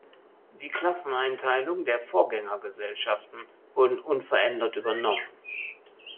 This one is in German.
Die Klasseneinteilung der Vorgängergesellschaften wurden unverändert übernommen.